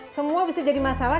semua bisa jadi masalah